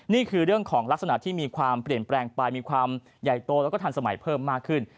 นี่คือเรื่องของลักษณะที่มีความเปลี่ยนแปลงไปมีความใหญ่โตแล้วก็ทันสมัยเพิ่มมากขึ้น